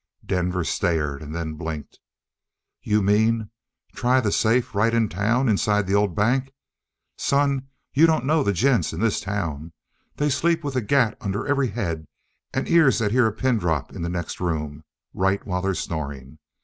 Denver stared, and then blinked. "You mean, try the safe right in town, inside the old bank? Son, you don't know the gents in this town. They sleep with a gat under every head and ears that hear a pin drop in the next room right while they're snoring.